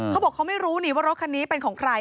เขาบอกเขาไม่รู้นี่ว่ารถคันนี้เป็นของใคร